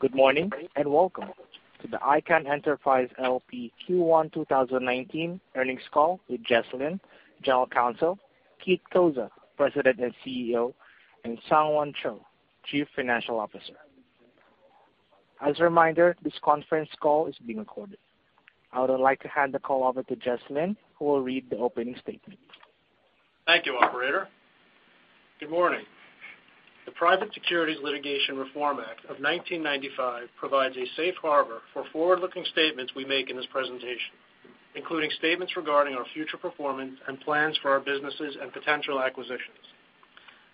Good morning, welcome to the Icahn Enterprises L.P. Q1 2019 Earnings Call with Jesse Lynn, General Counsel, Keith Cozza, President and CEO, and SungHwan Cho, Chief Financial Officer. As a reminder, this conference call is being recorded. I would like to hand the call over to Jesse Lynn, who will read the opening statement. Thank you, operator. Good morning. The Private Securities Litigation Reform Act of 1995 provides a safe harbor for forward-looking statements we make in this presentation, including statements regarding our future performance and plans for our businesses and potential acquisitions.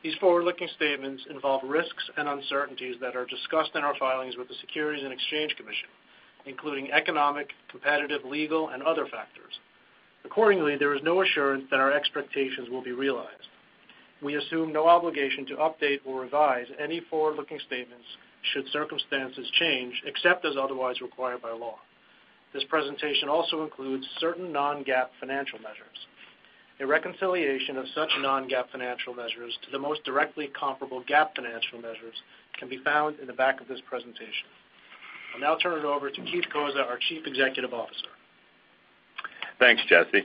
These forward-looking statements involve risks and uncertainties that are discussed in our filings with the Securities and Exchange Commission, including economic, competitive, legal, and other factors. Accordingly, there is no assurance that our expectations will be realized. We assume no obligation to update or revise any forward-looking statements should circumstances change, except as otherwise required by law. This presentation also includes certain non-GAAP financial measures. A reconciliation of such non-GAAP financial measures to the most directly comparable GAAP financial measures can be found in the back of this presentation. I'll now turn it over to Keith Cozza, our Chief Executive Officer. Thanks, Jesse.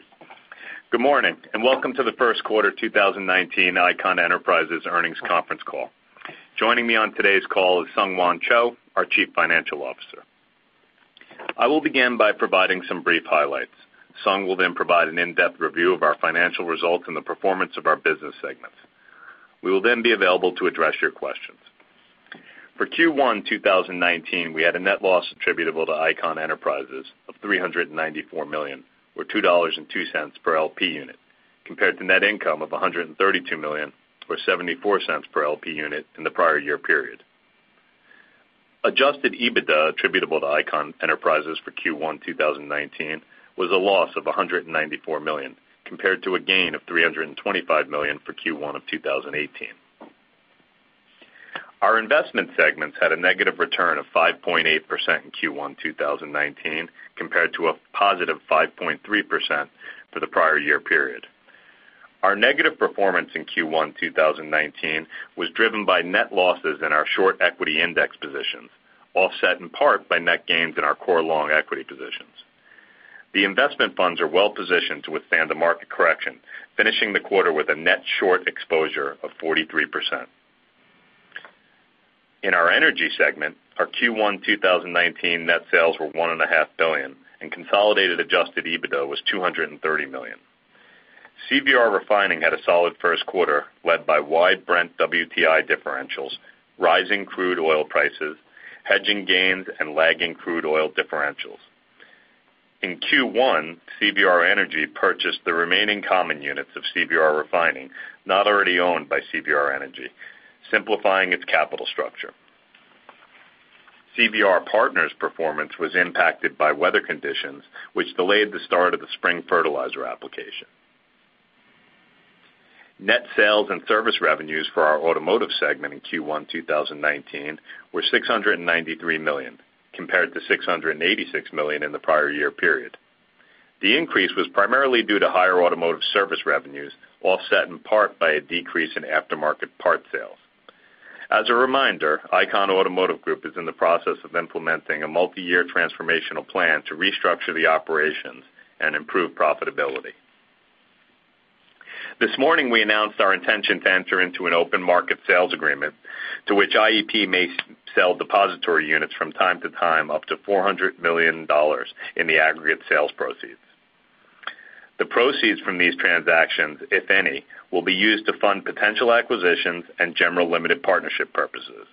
Good morning, welcome to the first quarter 2019 Icahn Enterprises earnings conference call. Joining me on today's call is SungHwan Cho, our Chief Financial Officer. I will begin by providing some brief highlights. Sung will then provide an in-depth review of our financial results and the performance of our business segments. We will then be available to address your questions. For Q1 2019, we had a net loss attributable to Icahn Enterprises of $394 million or $2.02 per L.P. unit, compared to net income of $132 million or $0.74 per L.P. unit in the prior year period. Adjusted EBITDA attributable to Icahn Enterprises for Q1 2019 was a loss of $194 million, compared to a gain of $325 million for Q1 2018. Our investment segments had a negative return of 5.8% in Q1 2019, compared to a positive 5.3% for the prior year period. Our negative performance in Q1 2019 was driven by net losses in our short equity index positions, offset in part by net gains in our core long equity positions. The investment funds are well positioned to withstand the market correction, finishing the quarter with a net short exposure of 43%. In our energy segment, our Q1 2019 net sales were $1.5 billion and consolidated Adjusted EBITDA was $230 million. CVR Refining had a solid first quarter led by wide Brent WTI differentials, rising crude oil prices, hedging gains, and lagging crude oil differentials. In Q1, CVR Energy purchased the remaining common units of CVR Refining not already owned by CVR Energy, simplifying its capital structure. CVR Partners' performance was impacted by weather conditions, which delayed the start of the spring fertilizer application. Net sales and service revenues for our automotive segment in Q1 2019 were $693 million, compared to $686 million in the prior year period. The increase was primarily due to higher automotive service revenues, offset in part by a decrease in aftermarket parts sales. As a reminder, Icahn Automotive Group is in the process of implementing a multi-year transformational plan to restructure the operations and improve profitability. This morning, we announced our intention to enter into an open market sales agreement to which IEP may sell depository units from time to time, up to $400 million in the aggregate sales proceeds. The proceeds from these transactions, if any, will be used to fund potential acquisitions and general limited partnership purposes.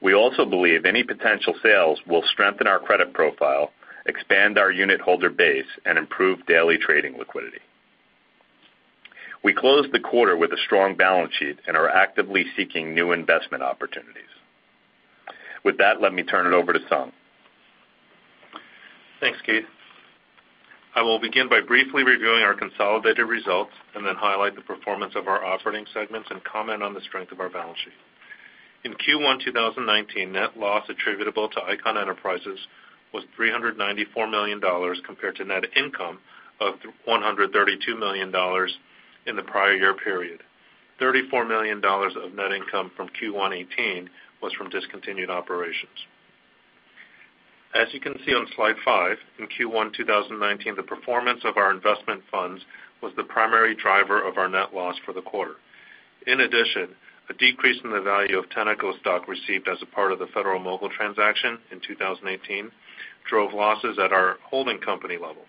We also believe any potential sales will strengthen our credit profile, expand our unit holder base, and improve daily trading liquidity. We closed the quarter with a strong balance sheet and are actively seeking new investment opportunities. With that, let me turn it over to Sung. Thanks, Keith. I will begin by briefly reviewing our consolidated results and then highlight the performance of our operating segments and comment on the strength of our balance sheet. In Q1 2019, net loss attributable to Icahn Enterprises was $394 million compared to net income of $132 million in the prior year period. $34 million of net income from Q1 2018 was from discontinued operations. As you can see on slide five, in Q1 2019, the performance of our investment funds was the primary driver of our net loss for the quarter. In addition, a decrease in the value of Tenneco stock received as a part of the Federal-Mogul transaction in 2018 drove losses at our holding company level.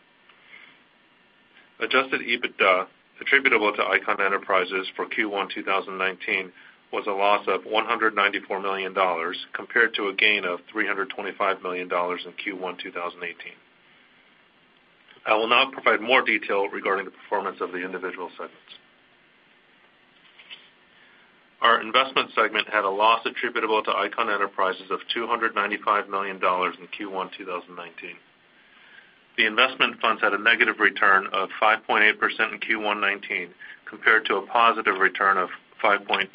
Adjusted EBITDA attributable to Icahn Enterprises for Q1 2019 was a loss of $194 million, compared to a gain of $325 million in Q1 2018. I will now provide more detail regarding the performance of the individual segments. Our investment segment had a loss attributable to Icahn Enterprises of $295 million in Q1 2019. The investment funds had a negative return of 5.8% in Q1 2019, compared to a positive return of 5.3%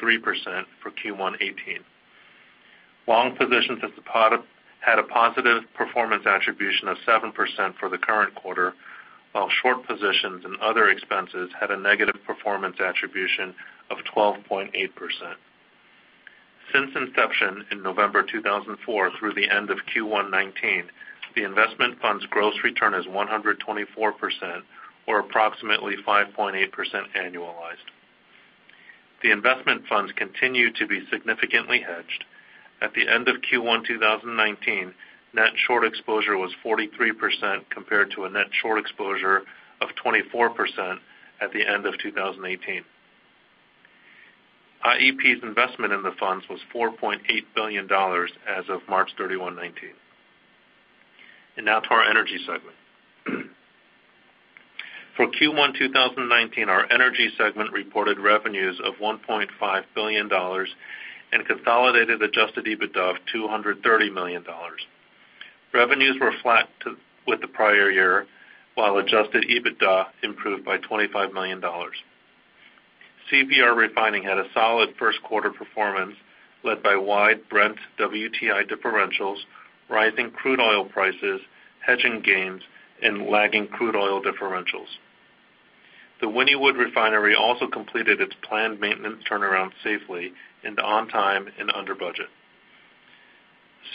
for Q1 2018. Long positions had a positive performance attribution of 7% for the current quarter, while short positions and other expenses had a negative performance attribution of 12.8%. Since inception in November 2004 through the end of Q1 2019, the investment fund's gross return is 124%, or approximately 5.8% annualized. The investment funds continue to be significantly hedged. At the end of Q1 2019, net short exposure was 43%, compared to a net short exposure of 24% at the end of 2018. IEP's investment in the funds was $4.8 billion as of March 31 2019. Now to our energy segment. For Q1 2019, our energy segment reported revenues of $1.5 billion and consolidated adjusted EBITDA of $230 million. Revenues were flat with the prior year, while adjusted EBITDA improved by $25 million. CVR Refining had a solid first quarter performance led by wide Brent WTI differentials, rising crude oil prices, hedging gains, and lagging crude oil differentials. The Wynnewood Refinery also completed its planned maintenance turnaround safely and on time and under budget.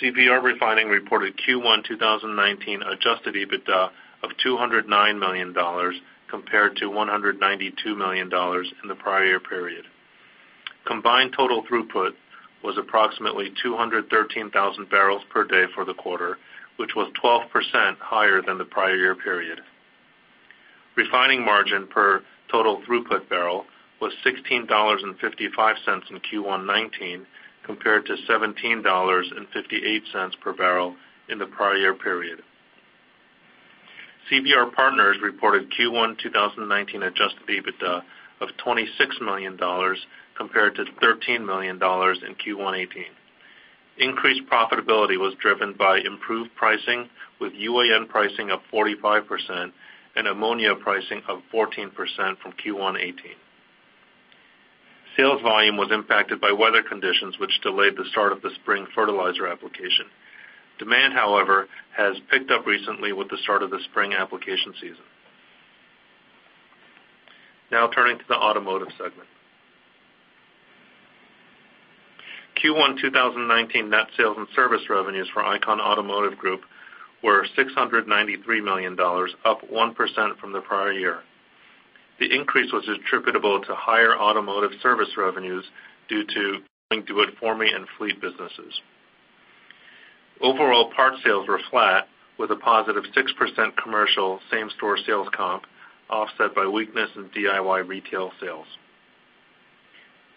CVR Refining reported Q1 2019 adjusted EBITDA of $209 million compared to $192 million in the prior year period. Combined total throughput was approximately 213,000 barrels per day for the quarter, which was 12% higher than the prior year period. Refining margin per total throughput barrel was $16.55 in Q1 2019 compared to $17.58 per barrel in the prior year period. CVR Partners reported Q1 2019 adjusted EBITDA of $26 million compared to $13 million in Q1 2018. Increased profitability was driven by improved pricing, with UAN pricing of 45% and ammonia pricing of 14% from Q1 2018. Sales volume was impacted by weather conditions, which delayed the start of the spring fertilizer application. Demand, however, has picked up recently with the start of the spring application season. Turning to the automotive segment. Q1 2019 net sales and service revenues for Icahn Automotive Group were $693 million, up 1% from the prior year. The increase was attributable to higher automotive service revenues due to doing do-it-for-me and fleet businesses. Overall part sales were flat, with a positive 6% commercial same-store sales comp offset by weakness in DIY retail sales.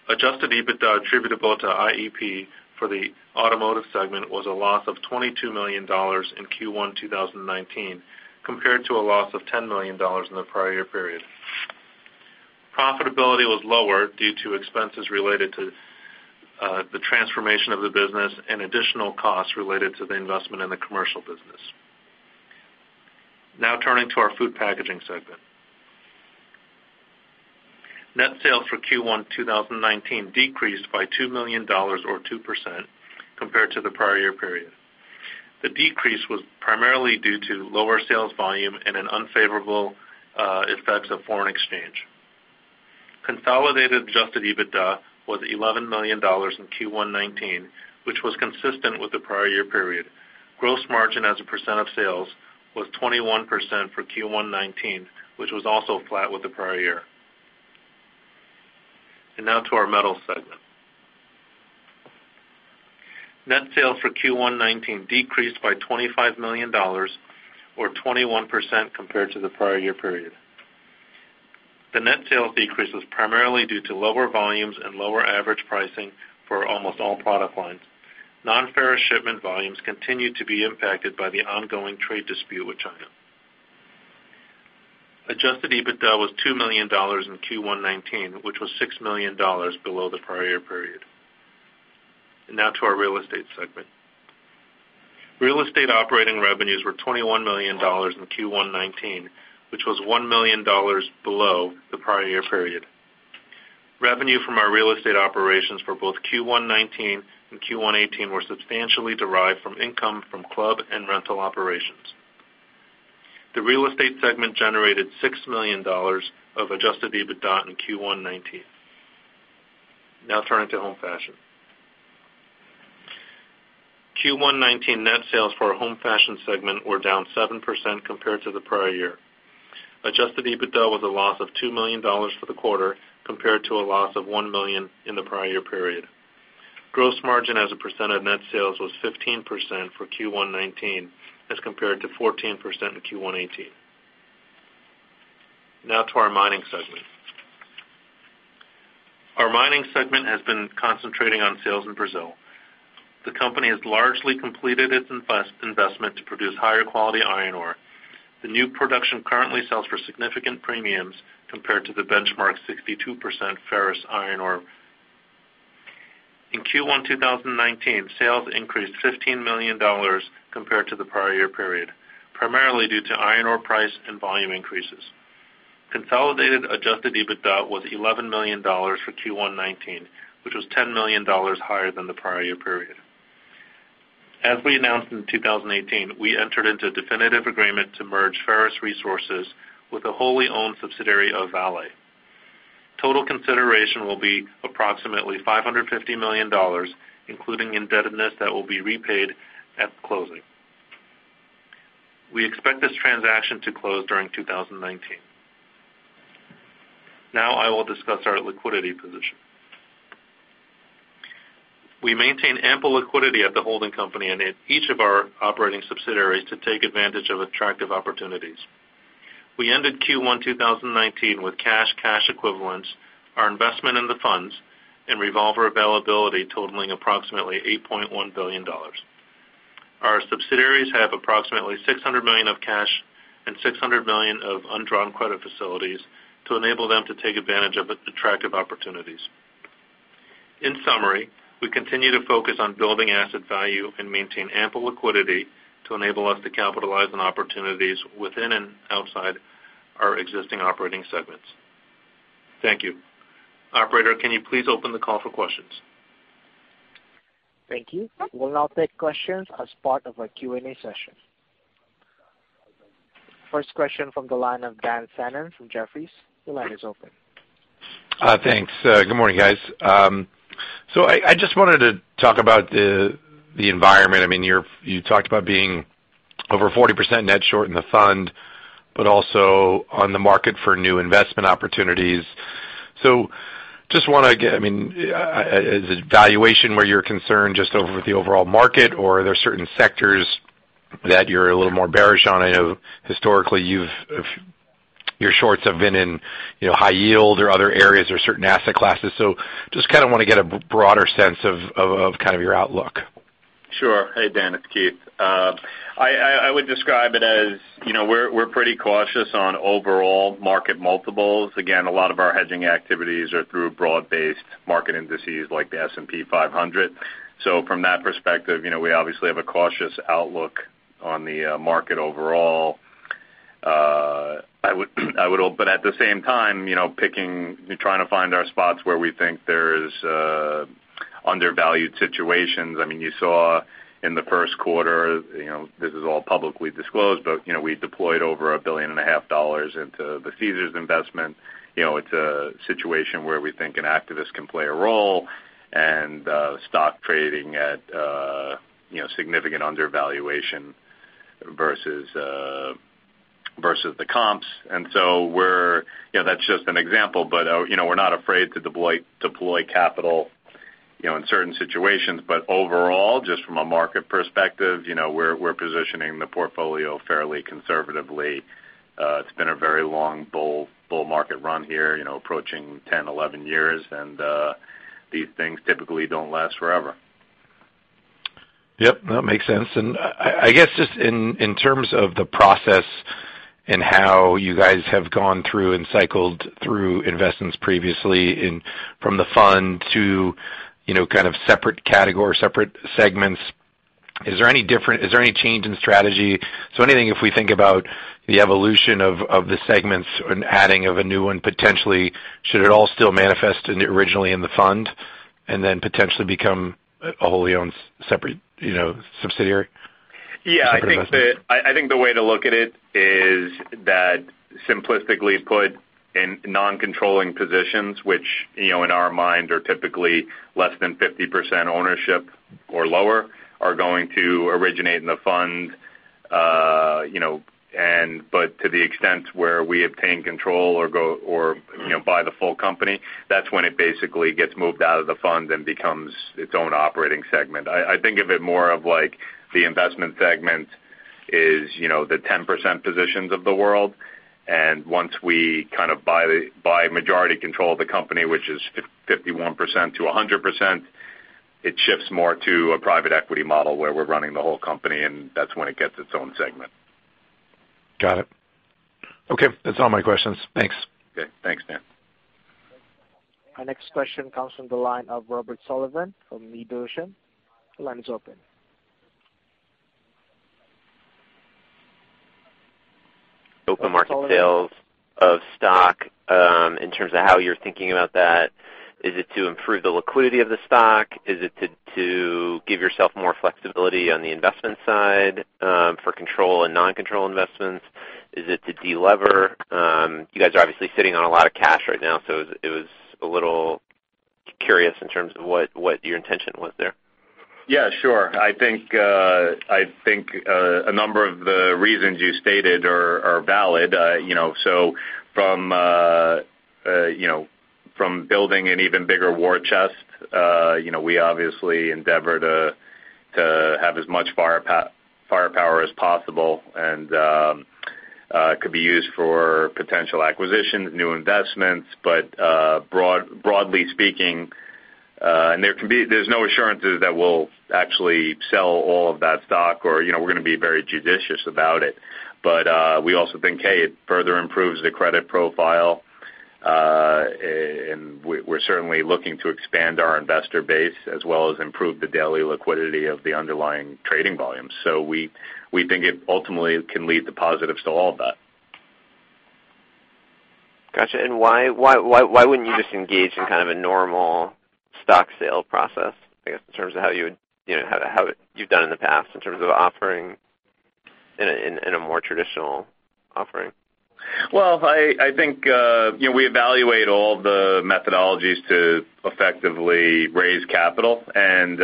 Adjusted EBITDA attributable to IEP for the automotive segment was a loss of $22 million in Q1 2019 compared to a loss of $10 million in the prior year period. Profitability was lower due to expenses related to the transformation of the business and additional costs related to the investment in the commercial business. Turning to our food packaging segment. Net sales for Q1 2019 decreased by $2 million, or 2%, compared to the prior year period. The decrease was primarily due to lower sales volume and an unfavorable effects of foreign exchange. Consolidated adjusted EBITDA was $11 million in Q1 2019, which was consistent with the prior year period. Gross margin as a percent of sales was 21% for Q1 2019, which was also flat with the prior year. To our metals segment. Net sales for Q1 2019 decreased by $25 million, or 21%, compared to the prior year period. The net sales decrease was primarily due to lower volumes and lower average pricing for almost all product lines. Non-ferrous shipment volumes continued to be impacted by the ongoing trade dispute with China. Adjusted EBITDA was $2 million in Q1 2019, which was $6 million below the prior year period. To our real estate segment. Real estate operating revenues were $21 million in Q1 2019, which was $1 million below the prior year period. Revenue from our real estate operations for both Q1 '2019 and Q1 2018 were substantially derived from income from club and rental operations. The real estate segment generated $6 million of adjusted EBITDA in Q1 2019. Turning to Home Fashion. Q1 2019 net sales for our Home Fashion segment were down 7% compared to the prior year. Adjusted EBITDA was a loss of $2 million for the quarter compared to a loss of $1 million in the prior year period. Gross margin as a percent of net sales was 15% for Q1 2019 as compared to 14% in Q1 2018. Now to our Mining segment. Our Mining segment has been concentrating on sales in Brazil. The company has largely completed its investment to produce higher quality iron ore. The new production currently sells for significant premiums compared to the benchmark 62% ferrous iron ore. In Q1 2019, sales increased $15 million compared to the prior year period, primarily due to iron ore price and volume increases. Consolidated Adjusted EBITDA was $11 million for Q1 2019, which was $10 million higher than the prior year period. As we announced in 2018, we entered into a definitive agreement to merge Ferrous Resources with a wholly-owned subsidiary of Vale. Total consideration will be approximately $550 million, including indebtedness that will be repaid at closing. We expect this transaction to close during 2019. Now I will discuss our liquidity position. We maintain ample liquidity at the holding company and at each of our operating subsidiaries to take advantage of attractive opportunities. We ended Q1 2019 with cash equivalents, our investment in the funds, and revolver availability totaling approximately $8.1 billion. Our subsidiaries have approximately $600 million of cash and $600 million of undrawn credit facilities to enable them to take advantage of attractive opportunities. In summary, we continue to focus on building asset value and maintain ample liquidity to enable us to capitalize on opportunities within and outside our existing operating segments. Thank you. Operator, can you please open the call for questions? Thank you. We'll now take questions as part of our Q&A session. First question from the line of Daniel Fannon from Jefferies. Your line is open. Thanks. Good morning, guys. I just wanted to talk about the environment. You talked about being over 40% net short in the fund, but also on the market for new investment opportunities. I just want to get, is it valuation where you're concerned just over the overall market, or are there certain sectors that you're a little more bearish on? I know historically your shorts have been in high yield or other areas, or certain asset classes. I just kind of want to get a broader sense of your outlook. Sure. Hey, Dan, it's Keith. I would describe it as we're pretty cautious on overall market multiples. Again, a lot of our hedging activities are through broad-based market indices like the S&P 500. From that perspective, we obviously have a cautious outlook on the market overall. At the same time, trying to find our spots where we think there's undervalued situations. You saw in the first quarter, this is all publicly disclosed, but we deployed over $1.5 billion into the Caesars investment. It's a situation where we think an activist can play a role and stock trading at significant undervaluation versus the comps. That's just an example, but we're not afraid to deploy capital in certain situations. Overall, just from a market perspective, we're positioning the portfolio fairly conservatively. It's been a very long bull market run here, approaching 10, 11 years, and these things typically don't last forever. Yep, that makes sense. I guess just in terms of the process and how you guys have gone through and cycled through investments previously from the fund to kind of separate category, separate segments, is there any change in strategy? Anything if we think about the evolution of the segments and adding of a new one potentially, should it all still manifest originally in the fund and then potentially become a wholly-owned separate subsidiary? Yeah, I think the way to look at it is that simplistically put in non-controlling positions, which in our mind are typically less than 50% ownership or lower, are going to originate in the fund. But to the extent where we obtain control or buy the full company, that's when it basically gets moved out of the fund and becomes its own operating segment. I think of it more of like the investment segment is the 10% positions of the world. Once we kind of buy majority control of the company, which is 51%-100%, it shifts more to a private equity model where we're running the whole company, and that's when it gets its own segment. Got it. Okay, that's all my questions. Thanks. Okay. Thanks, Dan. Our next question comes from the line of Robert Sullivan from MidOcean. Your line is open. Open market sales of stock, in terms of how you're thinking about that, is it to improve the liquidity of the stock? Is it to give yourself more flexibility on the investment side for control and non-control investments? Is it to de-lever? You guys are obviously sitting on a lot of cash right now, it was a little curious in terms of what your intention was there. Yeah, sure. I think a number of the reasons you stated are valid. From building an even bigger war chest, we obviously endeavor to have as much firepower as possible, it could be used for potential acquisitions, new investments, broadly speaking, there's no assurances that we'll actually sell all of that stock or we're going to be very judicious about it. We also think, hey, it further improves the credit profile We're certainly looking to expand our investor base as well as improve the daily liquidity of the underlying trading volume. We think it ultimately can lead to positives to all of that. Got you. Why wouldn't you just engage in kind of a normal stock sale process, I guess, in terms of how you've done in the past in terms of offering in a more traditional offering? Well, I think we evaluate all the methodologies to effectively raise capital, and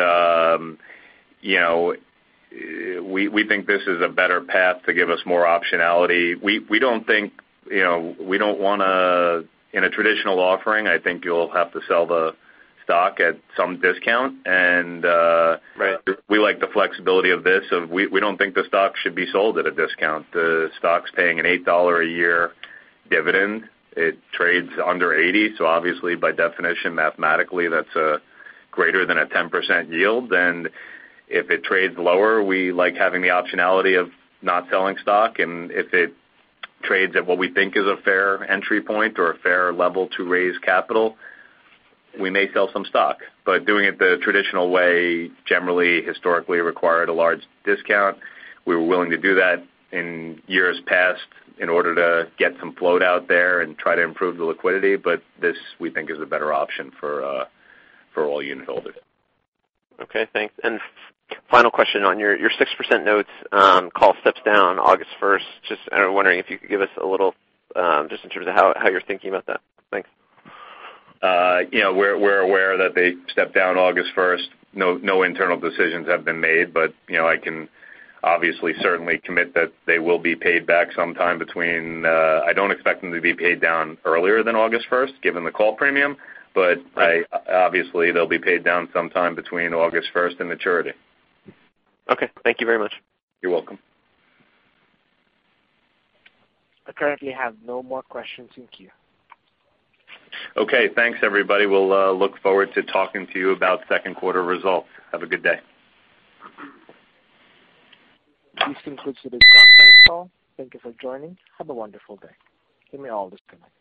we think this is a better path to give us more optionality. In a traditional offering, I think you'll have to sell the stock at some discount. Right We like the flexibility of this. We don't think the stock should be sold at a discount. The stock's paying an $8-a-year dividend. It trades under 80, so obviously by definition, mathematically, that's greater than a 10% yield. If it trades lower, we like having the optionality of not selling stock. If it trades at what we think is a fair entry point or a fair level to raise capital, we may sell some stock. Doing it the traditional way, generally, historically required a large discount. We were willing to do that in years past in order to get some float out there and try to improve the liquidity. This, we think, is a better option for all unitholders. Okay, thanks. Final question on your 6% notes call steps down August 1st. Just wondering if you could give us just in terms of how you're thinking about that. Thanks. We're aware that they step down August 1st. No internal decisions have been made, I can obviously certainly commit that they will be paid back. I don't expect them to be paid down earlier than August 1st, given the call premium, obviously they'll be paid down sometime between August 1st and maturity. Okay. Thank you very much. You're welcome. I currently have no more questions in queue. Okay. Thanks everybody. We'll look forward to talking to you about second quarter results. Have a good day. This concludes today's conference call. Thank you for joining. Have a wonderful day. You may all disconnect.